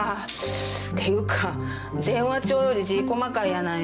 っていうか電話帳より字細かいやないの。